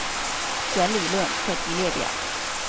弦理论课题列表。